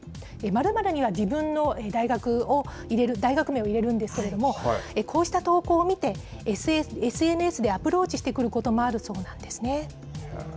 ○○には自分の大学を入れる、大学名を入れるんですけれども、こうした投稿を見て、ＳＮＳでアプローチしてくることもあるそうなんですね。